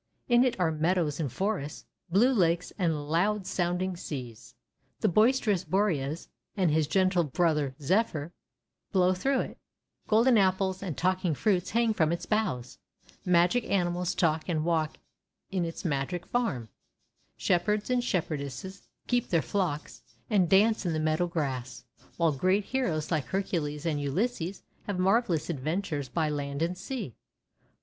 In it are meadows and forests, blue lakes and loud sounding seas. The boisterous Boreas and his gentle brother Zephyr blow through it. Golden Apples and talking fruits hang from its boughs. Magic animals talk and walk in its magic farm. Shepherds and Shep herdesses keep their flocks, and dance in the meadow grass; while great heroes like Hercules and Ulysses have marvellous adventures by land and sea.